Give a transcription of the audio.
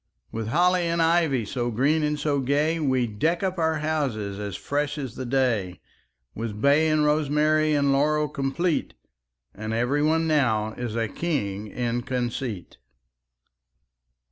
With holly and ivy So green and so gay, We deck up our houses As fresh as the day; With bay and rosemary And laurel complete; And every one now Is a king in conceit.